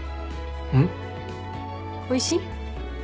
おいしい？